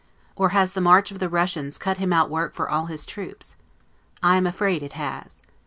or has the march of the Russians cut him out work for all his troops? I am afraid it has.